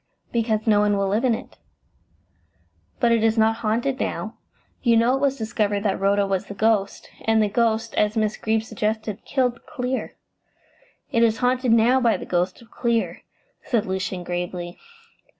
"Because no one will live in it." "But it is not haunted now. You know it was discovered that Rhoda was the ghost, and the ghost, as Miss Greeb suggested, killed Clear." "It is haunted now by the ghost of Clear," said Lucian gravely.